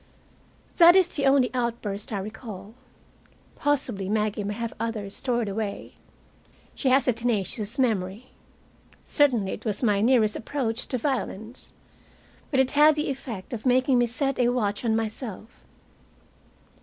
That is the only outburst I recall. Possibly Maggie may have others stored away. She has a tenacious memory. Certainly it was my nearest approach to violence. But it had the effect of making me set a watch on myself.